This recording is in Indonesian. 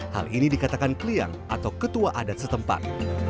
hal ini dikatakan kliang atau ketua adat setempat